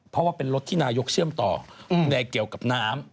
เพราะว่าเป็นรถที่นายกเชื่อมต่อในเกี่ยวกับน้ำ